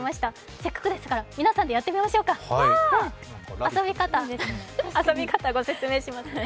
せっかくですから皆さんでやってみましょうか遊び方、ご説明しますね。